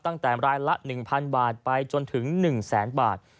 ตั้งแต่รายละ๑๐๐๐บาทไปจนถึง๑แสนบาท